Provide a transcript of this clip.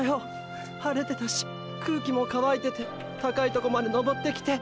晴れてたし空気もかわいてて高いとこまで登ってきて！